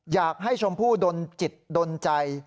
อยากให้ชมพู่ดนจิตดนใจ